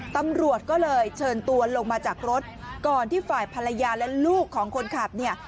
ตำรวจก็เลยเชิญตัวลงมาจากรถก่อนที่ฝ่ายภรรยาและลูกของคนขับเนี่ย